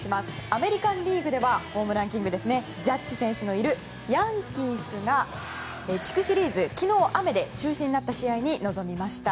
アメリカンリーグではホームランキングジャッジ選手のいるヤンキースが、地区シリーズ昨日は雨で中止になった試合に臨みました。